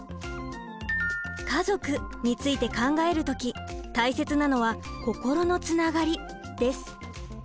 「家族」について考える時大切なのは心のつながりです。